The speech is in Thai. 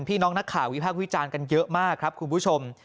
พี่น้องนักข่าววิพากษ์วิจารณ์กันเยอะมากครับคุณผู้ชม